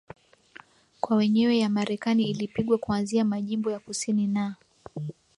kwa wenyewe ya Marekani ilipigwa kuanzia majimbo ya kusini na